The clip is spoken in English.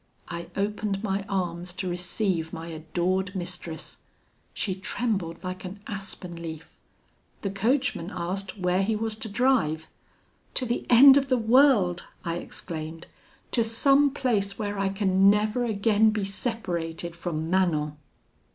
I opened my arms to receive my adored mistress; she trembled like an aspen leaf. The coachman asked where he was to drive? 'To the end of the world!' I exclaimed; 'to some place where I can never again be separated from Manon.'